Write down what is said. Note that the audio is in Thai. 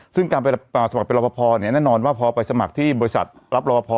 ซึ่งการไปสมัครเป็นรอปภแน่นอนว่าพอไปสมัครที่บริษัทรับรอพอ